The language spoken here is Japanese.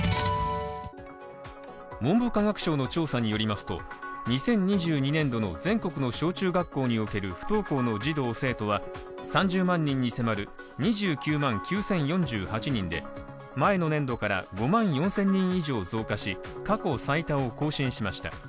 文部科学省の調査によりますと、２０２２年度の全国の小中学校における不登校の児童・生徒は３０万人に迫る２９万９０４８人で、前の年度から５万４０００人以上増加し、過去最多を更新しました。